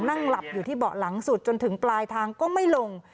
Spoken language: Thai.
นั่งหลับอยู่ที่เบาะหลังสุดจนถึงปลายทางก็ไม่ลง